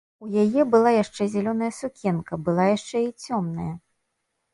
У яе была яшчэ зялёная сукенка, была яшчэ і цёмная.